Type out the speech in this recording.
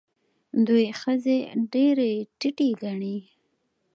دوی ښځې ډېرې ټیټې ګڼي.